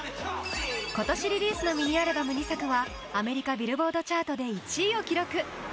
今年リリースのミニアルバム２作はアメリカＢｉｌｌｂｏａｒｄチャートで１位を記録。